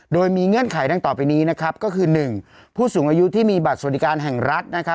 โดยมีเงื่อนไขดังต่อไปนี้นะครับก็คือ๑ผู้สูงอายุที่มีบัตรสวัสดิการแห่งรัฐ